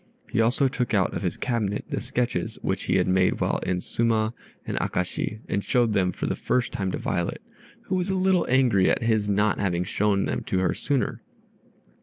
He also took out of his cabinet the sketches which he had made while in Suma and Akashi, and showed them for the first time to Violet, who was a little angry at his not having shown them to her sooner.